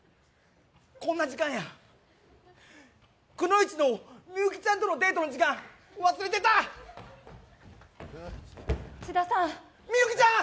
こんな時間やくノ一のミユキちゃんとのデートの時間忘れてた津田さんミユキちゃん